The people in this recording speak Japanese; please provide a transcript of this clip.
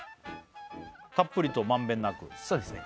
たっぷりと満遍なくそうですね